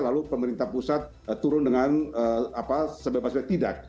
lalu pemerintah pusat turun dengan sebebas tidak